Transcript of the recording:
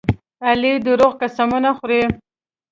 علي دروغ قسمونه خوري.